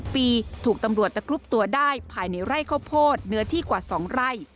ปีถูกตำรวจตะกรุบตัวได้ภายในไร่ข้าวโพดเนื้อที่กว่า๒ไร่